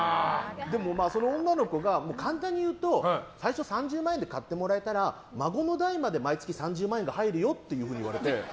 その女の子が簡単に言うと最初３０万円で買ってもらえたら孫の代まで毎月３０万円が入るよって言われて。